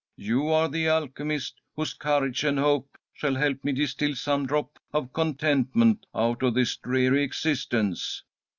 You are the alchemist whose courage and hope shall help me distil some drop of Contentment out of this dreary existence.'